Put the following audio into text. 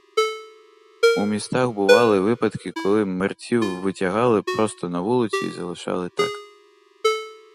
У містах бували випадки, коли мерців витягали просто на вулицю й залишали так.